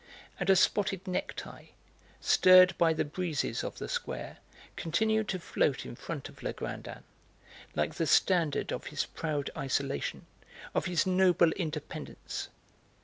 And a spotted necktie, stirred by the breezes of the Square, continued to float in front of Legrandin, like the standard of his proud isolation, of his noble independence.